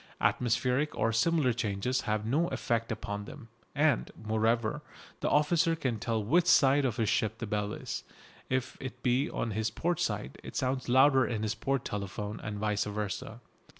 Atmospheric or similar changes have no effect upon them. And, moreover, the officer can tell which side of his ship the bell is. If it be on his port side it sounds louder in his port telephone, and vice versa.